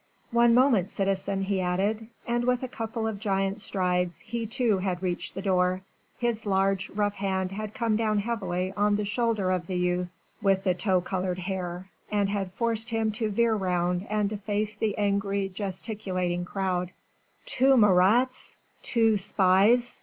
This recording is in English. One moment, citizen," he added, and with a couple of giant strides he too had reached the door; his large rough hand had come down heavily on the shoulder of the youth with the tow coloured hair, and had forced him to veer round and to face the angry, gesticulating crowd. "Two Marats! Two spies!"